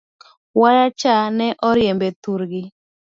Wayacha ne oriembe thurgi?